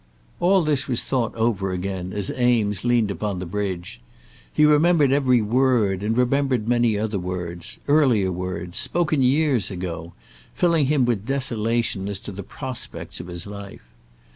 All this was thought over again, as Eames leaned upon the bridge. He remembered every word, and remembered many other words, earlier words, spoken years ago, filling him with desolation as to the prospects of his life.